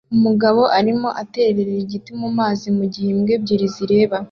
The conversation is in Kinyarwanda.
Umugabo arimo aterera igiti mumazi mugihe imbwa ebyiri zireba